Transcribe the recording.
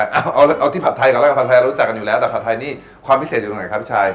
เอาที่ผัดไทยผัดไทยรู้จักกันอยู่แล้วแต่ความพิเศษอยู่ที่ไหนครับพิชาย